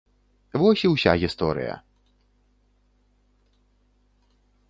Вось і ўся гісторыя!